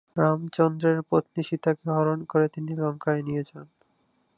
রামচন্দ্রের পত্নী সীতাকে হরণ করে তিনি লঙ্কায় নিয়ে যান।